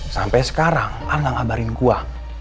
sampai sekarang al gak ngabarin gue